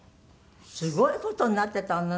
すごい事になってたのね